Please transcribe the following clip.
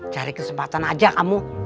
cari kesempatan aja kamu